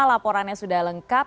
laporannya sudah lengkap